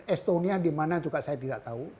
estonia dimana juga saya tidak tahu